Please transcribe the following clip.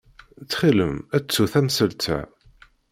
Ttxil-m, ttu tamsalt-a.